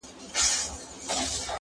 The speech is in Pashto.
سپرېدل به پر ښايستو مستو آسونو٫